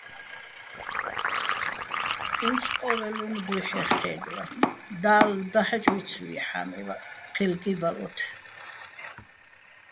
ინც ყო́ველ უ̂მ დუჰ̦ეჲვხ თეგლა, და́ლ დაჰაჭ ვიცვიეჼ ჰ̦ამივაჸ, ჴელ კი ბალოთ.